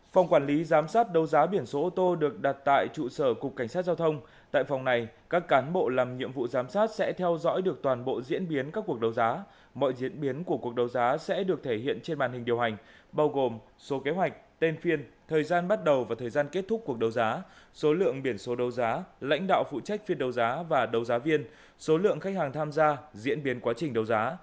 phòng quản lý giám sát đấu giá biển số ô tô được đặt tại trụ sở cục cảnh sát giao thông tại phòng này các cán bộ làm nhiệm vụ giám sát sẽ theo dõi được toàn bộ diễn biến các cuộc đấu giá mọi diễn biến của cuộc đấu giá sẽ được thể hiện trên màn hình điều hành bao gồm số kế hoạch tên phiên thời gian bắt đầu và thời gian kết thúc cuộc đấu giá số lượng biển số đấu giá lãnh đạo phụ trách phiên đấu giá và đấu giá viên số lượng khách hàng tham gia diễn biến quá trình đấu giá